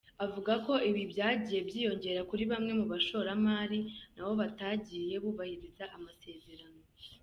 Avuga ko ibi byagiye byiyongera kuri bamwe mu bashoramari nabo batagiye bubahiriza amasezerano.